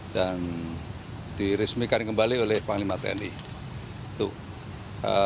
dan diresmikan kembali oleh panglima komnas ham